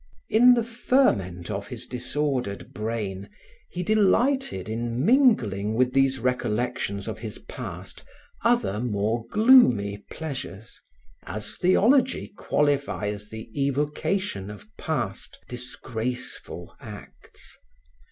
In the ferment of his disordered brain, he delighted in mingling with these recollections of his past, other more gloomy pleasures, as theology qualifies the evocation of past, disgraceful acts.